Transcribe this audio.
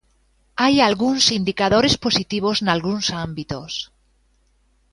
Hai algúns indicadores positivos nalgúns ámbitos.